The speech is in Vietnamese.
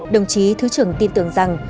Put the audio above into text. đồng chí thứ trưởng tin tưởng rằng